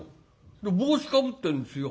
で帽子かぶってんですよ。